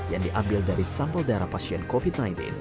yang diambil dari sampel darah pasien covid sembilan belas